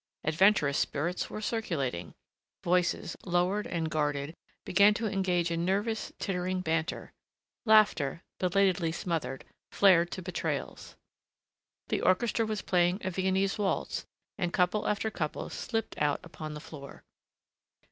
Adventurous spirits were circulating. Voices, lowered and guarded, began to engage in nervous, tittering banter.... Laughter, belatedly smothered, flared to betrayals.... The orchestra was playing a Viennese waltz and couple after couple slipped out upon the floor.